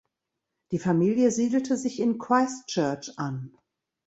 Die Familie siedelte sich in Christchurch an.